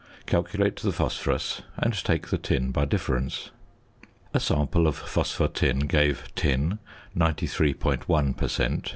Calculate the phosphorus, and take the tin by difference. A sample of phosphor tin gave Tin 93.1 per cent.